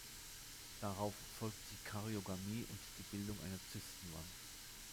Darauf folgt die Karyogamie und die Bildung einer Zysten-Wand.